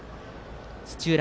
土浦